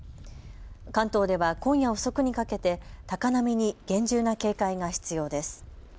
関東では今夜遅くにかけて高波に厳重な警戒が必要です。